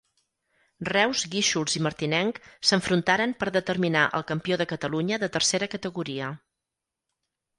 Reus, Guíxols i Martinenc s'enfrontaren per determinar el campió de Catalunya de tercera categoria.